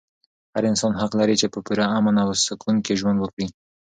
هر انسان حق لري چې په پوره امن او سکون کې ژوند وکړي.